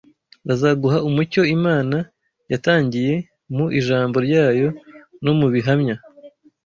bagahuza umucyo Imana yatangiye mu Ijambo ryayo no mu bihamya